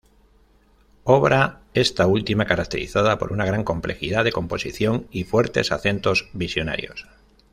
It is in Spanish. Obra, esta última, caracterizada por una gran complejidad de composición y fuertes acentos visionarios.